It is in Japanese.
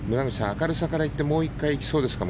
明るさから言ってもう１回行きそうですか。